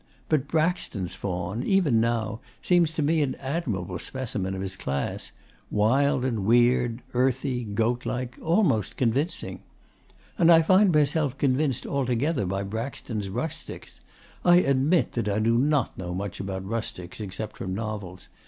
But Braxton's faun, even now, seems to me an admirable specimen of his class wild and weird, earthy, goat like, almost convincing. And I find myself convinced altogether by Braxton's rustics. I admit that I do not know much about rustics, except from novels.